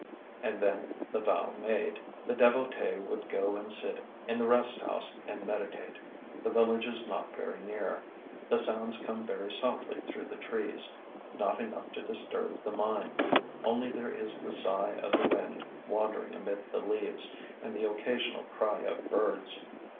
And then, the vow made, the devotee would go and sit in the rest house and meditate. The village is not very near; the sounds come very softly through the trees, not enough to disturb the mind; only there is the sigh of the wind wandering amid the leaves, and the occasional cry of birds.